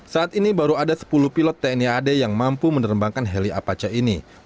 saat ini baru ada sepuluh pilot tni ad yang mampu menerbangkan heli apache ini